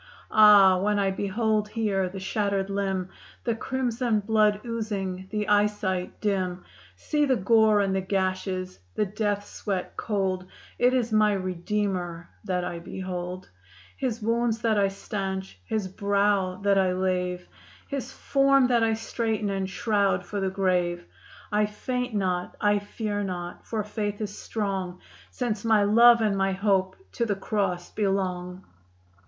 Ah! when I behold here the shattered limb The crimson blood oozing, the eyesight dim; See the gore and the gashes; the death sweat cold, It is my Redeemer that I behold; His wounds that I stanch; His brow that I lave; His form that I straighten and shroud for the grave. I faint not; I fear not, for faith is strong Since my love and my hope to the Cross belong."